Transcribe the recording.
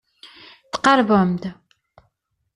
Tqerrbem-d.